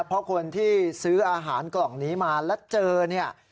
เพราะคนที่ซื้ออาหารกล่องนี้มาแล้วเจอเนี่ย